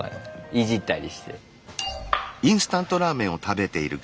いじったりして。